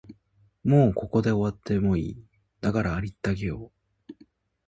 もうここで終わってもいい、だからありったけを